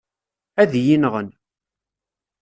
Ad iyi-nɣen.